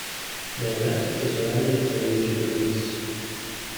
They elected to surrender to the Japanese.